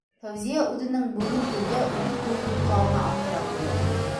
Фәүзиә үҙенең бөгөн төндә үлек кеүек йоҡлауына аптырап уянды.